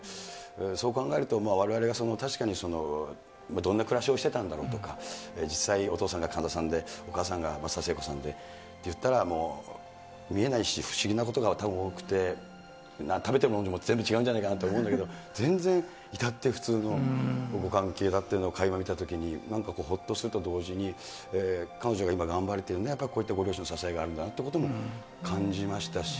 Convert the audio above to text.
そう考えると、われわれが確かにどんな暮らしをしてたんだろうとか、実際お父さんが神田さんでお母さんが松田聖子さんでっていったら、見えない不思議なことがたぶん多くて、食べてるものも全部違うんじゃないかなって思うんだけど、全然いたって普通のご関係だというのをかいま見たときに、なんかほっとすると同時に、彼女が今頑張れているのは、やっぱりこういったご両親の支えがあるんだなということも感じましたし。